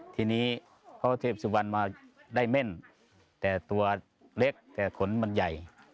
ทีนี้พระปู่ศรีสุโธมาได้เม่นแต่ตัวเล็กแต่ขนมันใหญ่